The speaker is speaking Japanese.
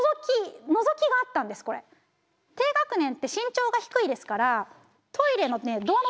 低学年って身長が低いですからトイレのドアの高さがね